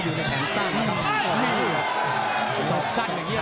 ได้สิไว้ที